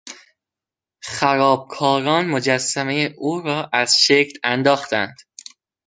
خرابکاران مجسمه او را از شکل انداختند.